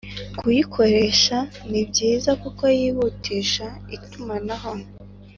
kuyikoresha ni byiza kuko yihutisha itumanaho